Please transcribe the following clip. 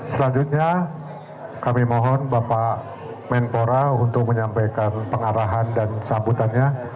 selanjutnya kami mohon bapak menpora untuk menyampaikan pengarahan dan sambutannya